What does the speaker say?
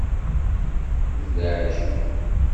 D laɛǧeb!